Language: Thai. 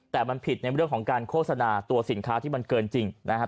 แต่มันผิดในเรื่องของการโฆษณาตัวสินค้าที่มันเกินจริงนะครับ